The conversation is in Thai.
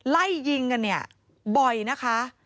ไล่ยิงกันเนี่ยบ่อยนะคะ